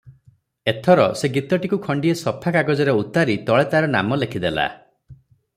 ଏଥର ସେ ଗୀତଟିକୁ ଖଣ୍ଡିଏ ସଫା କାଗଜରେ ଉତାରି ତଳେ ତାର ନାମ ଲେଖିଦେଲା-